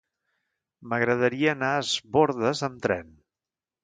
M'agradaria anar a Es Bòrdes amb tren.